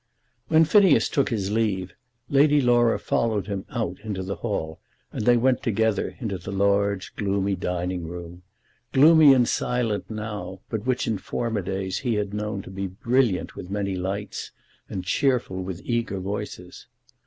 When Phineas took his leave Lady Laura followed him out into the hall, and they went together into the large, gloomy dining room, gloomy and silent now, but which in former days he had known to be brilliant with many lights, and cheerful with eager voices.